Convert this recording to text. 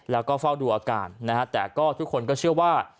แล้วก็เฝ้าดูอาการนะฮะแต่ก็ทุกคนก็เชื่อว่า